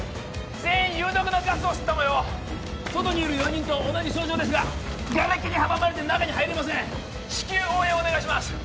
全員有毒なガスを吸ったもよう外にいる４人と同じ症状ですががれきに阻まれて中に入れません至急応援お願いします